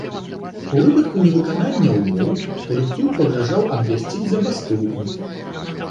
У выпадку невыканання ўмоў калектыў пагражаў абвясціць забастоўку.